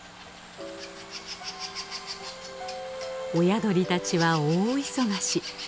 親鳥たちは大忙し。